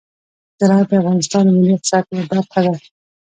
زراعت د افغانستان د ملي اقتصاد برخه ده.